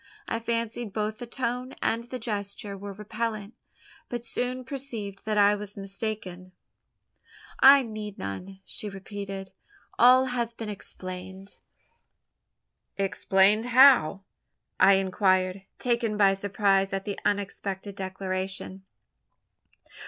I fancied both the tone and the gesture were repellant; but soon perceived that I was mistaken. "I need none," she repeated, "all has been explained." "Explained! How?" I inquired, taken by surprise at the unexpected declaration.